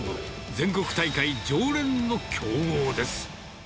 全国大会常連の強豪です。